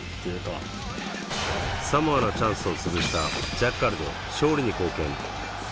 サモアのチャンスをつぶしたジャッカルで勝利に貢献